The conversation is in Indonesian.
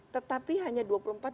tetapi hanya dua puluh empat jam